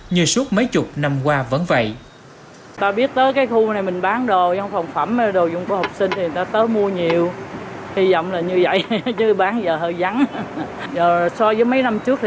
như suốt mấy chục năm qua vẫn vậy